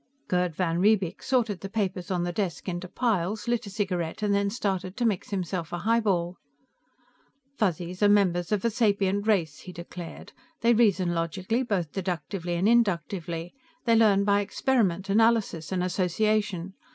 Gerd van Riebeek sorted the papers on the desk into piles, lit a cigarette and then started to mix himself a highball. "Fuzzies are members of a sapient race," he declared. "They reason logically, both deductively and inductively. They learn by experiment, analysis and association.